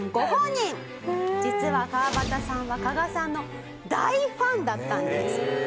実は川端さんは加賀さんの大ファンだったんです。